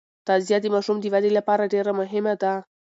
تغذیه د ماشوم د ودې لپاره ډېره مهمه ده.